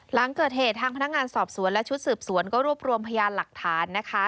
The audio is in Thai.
หลังเกิดเหตุทางพนักงานสอบสวนและชุดสืบสวนก็รวบรวมพยานหลักฐานนะคะ